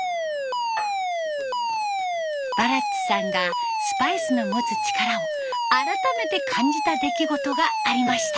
バラッツさんがスパイスの持つ力を改めて感じた出来事がありました。